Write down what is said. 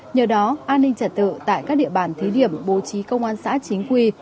nhờ đó an ninh trật tự tại các địa bàn thí điểm bố trí công an xã chính quy